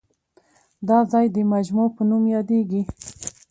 دا ځای د مجمع په نوم یادېږي.